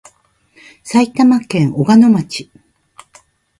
埼玉県小鹿野町